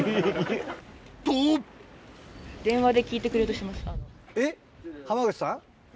とえっ濱口さん？